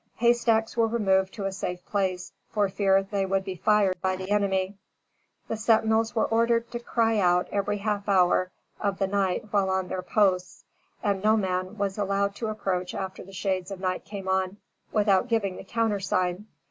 Haystacks were removed to a safe place, for fear they would be fired by the enemy. The sentinels were ordered to cry out every half hour of the night while on their posts, and no man was allowed to approach after the shades of night came on, without giving the countersign.